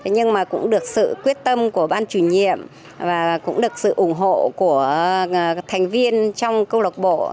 nhưng mà cũng được sự quyết tâm của ban chủ nhiệm và cũng được sự ủng hộ của thành viên trong câu lạc bộ